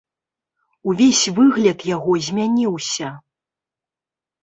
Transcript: Увесь выгляд яго змяніўся.